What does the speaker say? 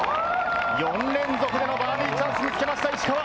４連続バーディーチャンスにつけました石川。